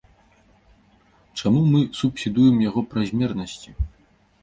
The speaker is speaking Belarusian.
Чаму мы субсідуем яго празмернасці?